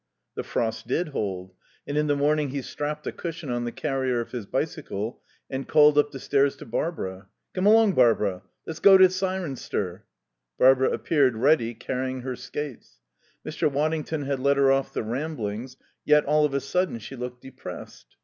The frost did hold, and in the morning he strapped a cushion on the carrier of his bicycle and called up the stairs to Barbara. "Come along, Barbara, let's go to Cirencester." Barbara appeared, ready, carrying her skates. Mr. Waddington had let her off the Ramblings, yet, all of a sudden, she looked depressed.